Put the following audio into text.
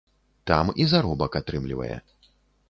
Там і заробак атрымлівае.